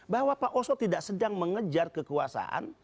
bahwa pak oso tidak sedang mengejar kekuasaan